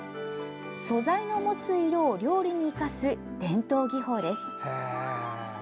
素材の持つ色を料理に生かす伝統技法です。